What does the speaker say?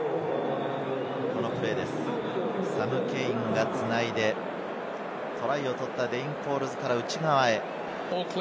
サム・ケインが繋いで、トライを取ったデイン・コールズから内側へ。